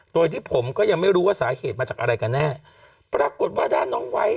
โดยที่ผมก็ยังไม่รู้ว่าสาเหตุมาจากอะไรกันแน่ปรากฏว่าด้านน้องไวท์